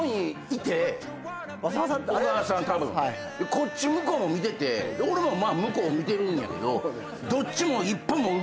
こっち向こうも見てて俺も向こう見てるんやけど。